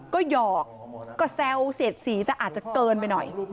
ก็หยอกก็แซวเสียดสีแต่อาจจะเกินไปหน่อย